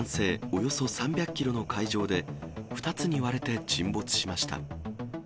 およそ３００キロの海上で、２つに割れて沈没しました。